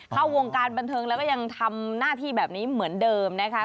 เข้าวงการบันเทิงแล้วก็ยังทำหน้าที่แบบนี้เหมือนเดิมนะคะ